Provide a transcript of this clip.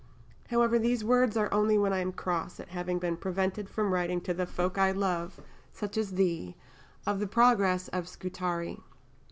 However, these words are only when I am cross at having been prevented from writing to the folk I love, such as thee, of the progress of Scutari.